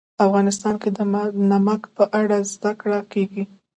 افغانستان کې د نمک په اړه زده کړه کېږي.